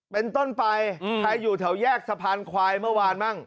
เป็นต้นไปใครอยู่แถวแยกสะพานควายเมื่อวานมั่ง